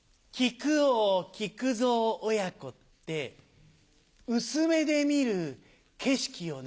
久蔵親子って薄目で見る景色よね。